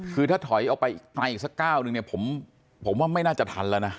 คือถ้าถอยออกไปอีกไกลอีกสักก้าวนึงเนี่ยผมว่าไม่น่าจะทันแล้วนะ